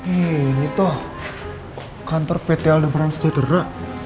ini toh kantor pt aldebaran setera